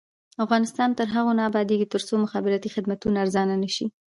افغانستان تر هغو نه ابادیږي، ترڅو مخابراتي خدمتونه ارزانه نشي.